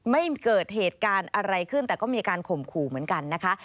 ไม่เกิดเหตุการณ์อะไรขึ้นแต่ก็มีการข่มขู่เหมือนกันนะคะ